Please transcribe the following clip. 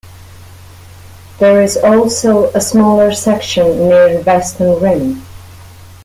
There is also a smaller section near the western rim.